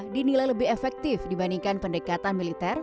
dinilai lebih efektif dibandingkan pendekatan militer